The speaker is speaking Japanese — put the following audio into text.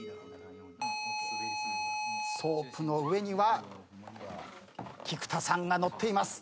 ソープの上には菊田さんが乗っています。